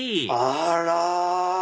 あら！